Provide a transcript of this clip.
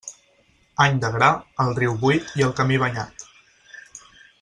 Any de gra, el riu buit i el camí banyat.